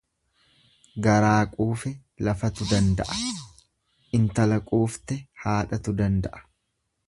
Garaa quufe lafatu danda'a intala quufte haadhatu danda'a.